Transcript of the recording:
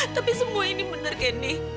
tapi semua ini benar gede